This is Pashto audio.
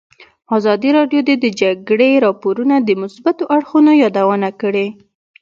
ازادي راډیو د د جګړې راپورونه د مثبتو اړخونو یادونه کړې.